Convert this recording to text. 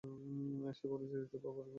সে বলেছে, হৃদয় বরাবর গেঁথে দিতে হবে!